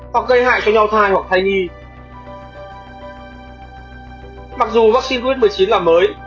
hoặc gây hại cho nho thai hoặc thai nghi mặc dù vắc xin covid một mươi chín là mới